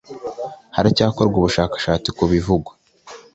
haracyakorwa ubushakashaka ku bivugwa